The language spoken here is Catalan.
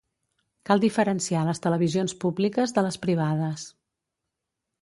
Cal diferenciar les televisions públiques de les privades.